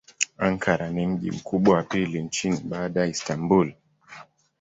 Ankara ni mji mkubwa wa pili nchini baada ya Istanbul.